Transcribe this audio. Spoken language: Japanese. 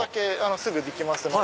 すぐできますので。